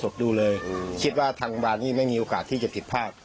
กูคิดว่าทางกำบาทนี่ไม่มีโอกาสที่จะผิดภาค